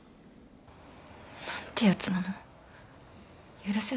なんてやつなの許せない